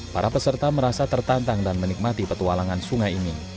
para peserta merasa tertantang dan menikmati petualangan sungai ini